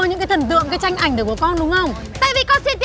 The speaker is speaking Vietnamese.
nhưng mà con bự bán laptop con xin mẹ tiền